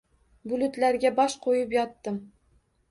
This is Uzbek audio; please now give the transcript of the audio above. Bulutlarga bosh qoʼyib yotdim